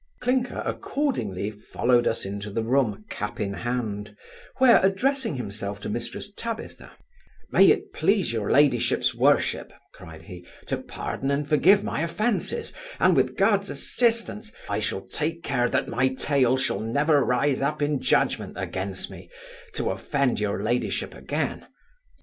Clinker accordingly followed us into the room, cap in hand, where, addressing himself to Mrs Tabitha, 'May it please your ladyship's worship (cried he) to pardon and forgive my offences, and, with God's assistance, I shall take care that my tail shall never rise up in judgment against me, to offend your ladyship again.